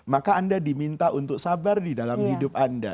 maka anda diminta untuk sabar di dalam hidup anda